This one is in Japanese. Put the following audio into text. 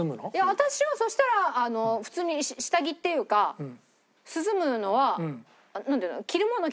私はそしたら普通に下着っていうか涼むのはなんていうの。